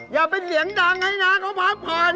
อย่าเป็นเสียงดังให้น้าเขาพักผ่อน